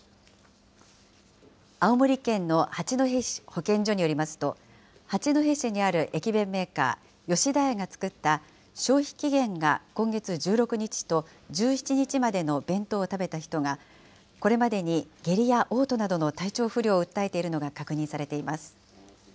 青森県の八戸市保健所によりますと、八戸市にある駅弁メーカー、吉田屋が作った消費期限が今月１６日と１７日までの弁当を食べた人が、これまでに下痢やおう吐などの体調不良を訴えているのが確認されています。